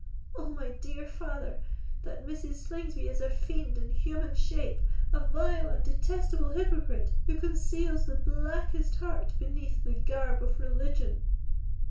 "Oh! my dear father, that Mrs. Slingsby is a fiend in human shape—a vile and detestable hypocrite, who conceals the blackest heart beneath the garb of religion!"